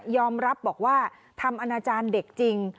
รับบอกว่าทำอนาจารย์เด็กจริง